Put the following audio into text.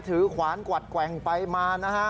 ขวานกวัดแกว่งไปมานะฮะ